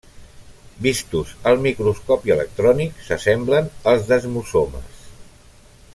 Vistos al microscopi electrònic s'assemblen als desmosomes.